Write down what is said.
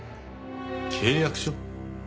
契約書？